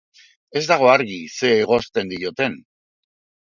Ez dago argi zer egozten dioten.